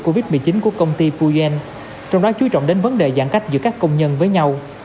covid một mươi chín của công ty puen trong đó chú trọng đến vấn đề giãn cách giữa các công nhân với nhau